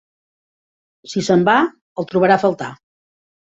Si se'n va, el trobarà a faltar.